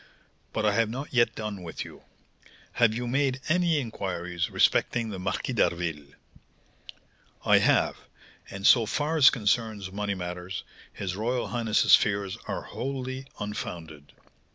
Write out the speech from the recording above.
But I have not yet done with you. Have you made any inquiries respecting the Marquis d'Harville?" "I have; and, so far as concerns money matters, his royal highness's fears are wholly unfounded. M.